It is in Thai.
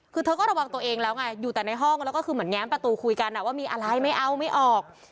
คือเธอก็ระวังตัวเองแล้วไงอยู่แต่ในห้องแล้วก็คือเหมือนแง้มประตูคุยกันว่ามีอะไรไม่เอาไม่ออก